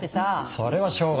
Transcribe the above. それはしょうがないよ。